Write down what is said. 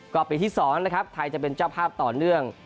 ก็ปีที่๒นะครับไทยจะเป็นเจ้าภาพต่อเนื่อง